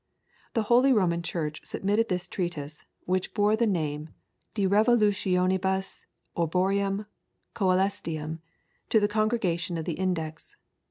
The Holy Roman Church submitted this treatise, which bore the name "De Revolutionibus Orbium Coelestium," to the Congregation of the Index.